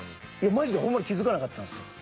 マジでほんまに気付かなかったんですよ。